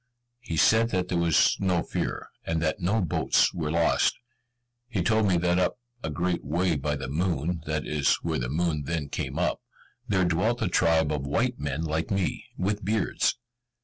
He said that there was no fear, and that no boats were lost. He told me that up a great way by the moon that is where the moon then came up there dwelt a tribe of white men like me, with beards.